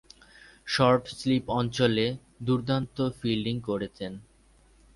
Short slip অঞ্চলে দূর্দান্ত fielding করতেন।